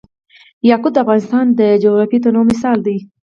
یاقوت د افغانستان د جغرافیوي تنوع مثال دی.